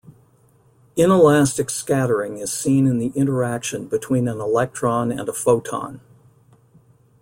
Inelastic scattering is seen in the interaction between an electron and a photon.